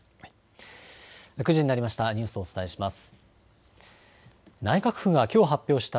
９時になりました。